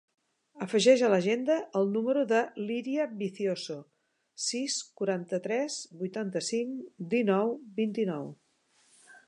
Afegeix a l'agenda el número de l'Iria Vicioso: sis, quaranta-tres, vuitanta-cinc, dinou, vint-i-nou.